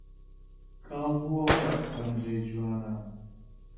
کاڵ بۆوە پەنجەی جوانان